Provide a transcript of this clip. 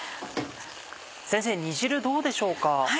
先生煮汁どうでしょうか？